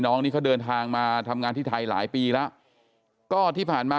น้องนี่เขาเดินทางมาทำงานที่ไทยหลายปีแล้วก็ที่ผ่านมา